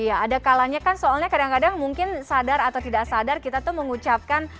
iya ada kalanya kan soalnya kadang kadang mungkin sadar atau tidak sadar kita tuh mengucapkan